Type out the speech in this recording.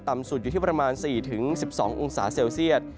สุดอยู่ที่ประมาณ๔๑๒องศาเซลเซียต